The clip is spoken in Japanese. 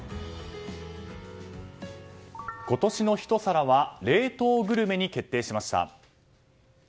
今年の一皿は冷凍グルメに決定しました。